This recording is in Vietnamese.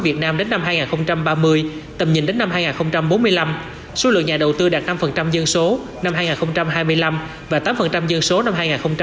việt nam đến năm hai nghìn ba mươi tầm nhìn đến năm hai nghìn bốn mươi năm số lượng nhà đầu tư đạt năm dân số năm hai nghìn hai mươi năm và tám dân số năm hai nghìn hai mươi năm